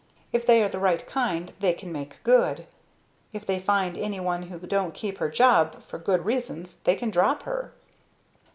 If they are the right kind they can make good. If they find anyone who don't keep her job for good reasons they can drop her."